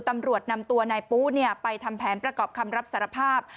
ตำรวจนำตัวนายปุ๊ไปทำแผนประกอบคำรับสารภาพ